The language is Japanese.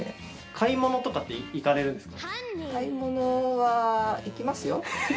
買い物とかって行かれるんですか？